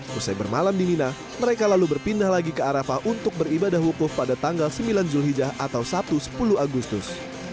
setelah bermalam di mina mereka lalu berpindah lagi ke arafah untuk beribadah wukuf pada tanggal sembilan julhijjah atau sabtu sepuluh agustus